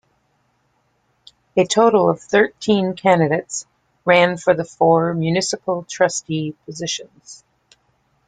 A total of thirteen candidates ran for the four municipal trustee positions.